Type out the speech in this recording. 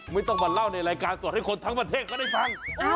ไม่ต้องมาเล่าในรายการสดให้คนทั้งประเทศก็ได้ฟัง